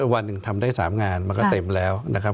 วันหนึ่งทำได้๓งานมันก็เต็มแล้วนะครับ